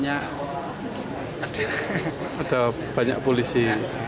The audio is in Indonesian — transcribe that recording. ada banyak polisi